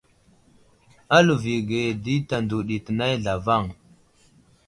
A liviyo age tanzo ɗi tənay zlavaŋ.